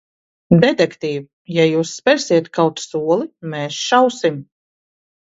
Detektīv, ja jūs spersiet kaut soli, mēs šausim!